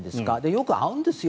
よく会うんですよ。